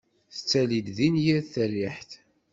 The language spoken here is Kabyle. Tettalid din yir tariḥt.